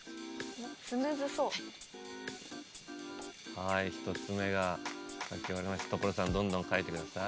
はい１つ目が描き終わりました所さんどんどん描いてください。